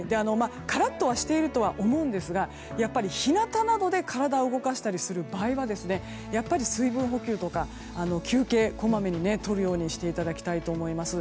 カラッとしているとは思うんですがやっぱり日なたなどで体を動かす場合は水分補給とか休憩をこまめにとるようにしていただきたいと思います。